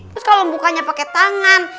terus kalo bukanya pake tangan